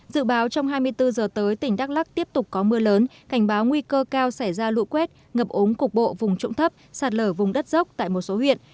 dự báo trong hai mươi bốn giờ tới tỉnh đắk lắc tiếp tục có mưa lớn cảnh báo nguy cơ cao xảy ra lũ quét ngập ống cục bộ vùng trụng thấp sạt lở vùng đất dốc tại một số huyện